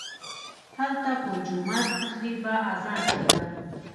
هلته په جومات کښې به اذان کېده.